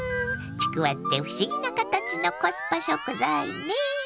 ちくわって不思議な形のコスパ食材ね。